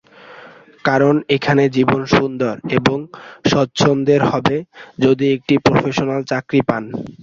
কারণ এখানে জীবন সুন্দর এবং স্বাচ্ছন্দের হবে যদি একটি প্রফেশনাল চাকরি পান।